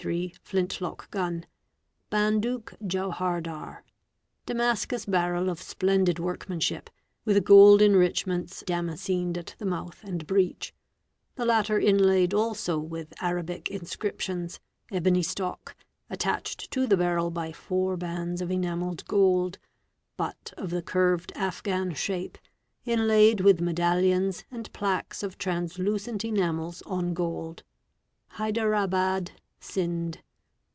733, Flint Lock Gun; '' Banduq Jauhardar "'; Damas cus barrel of splendid workmanship, with gold enrichments damascened at the mouth and breech, the latter inlaid also with Arabic inscriptions ; ebony stock, attached to the barrel by four bands of enamelled gold; butt of the curved Afghan shape, inlaid with medallions and plaques of trans lucent enamels on gold. Haidarabad, Sind.